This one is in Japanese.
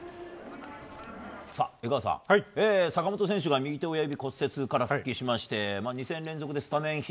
江川さん、坂本選手が右手親指骨折から復帰しまして２戦連続スタメン。